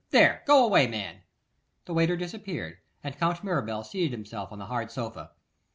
There, go away, man.' The waiter disappeared, and Count Mirabel seated himself on the hard sofa.